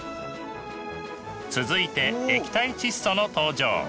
続いて液体窒素の登場。